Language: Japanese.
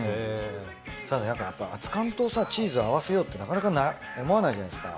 ただなんかやっぱ熱燗とさチーズ合わせようってなかなか思わないじゃないですか。